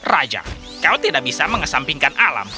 raja kau tidak bisa mengesampingkan alam